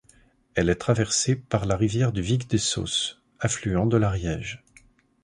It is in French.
Elle est traversée par la rivière du Vicdessos, affluent de l'Ariège.